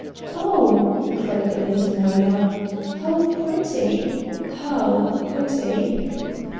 "Oh!" cried the Lady Moya, "how pretty, how pretty!"